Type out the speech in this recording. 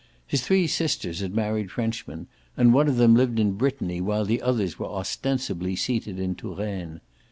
His three sisters had married Frenchmen, and one of them lived in Brittany while the others were ostensibly seated in Touraine.